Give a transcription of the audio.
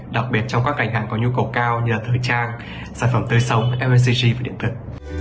đặc biệt trong các cảnh hàng có nhu cầu cao như là thời trang sản phẩm tươi sống msg và điện thực